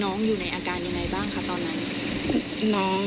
น้องอยู่ในอาการอย่างไรบ้างค่ะตอนนั้น